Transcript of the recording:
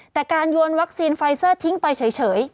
แต่การโยนวัคซีนไฟเซอร์ทิ้งไปเฉย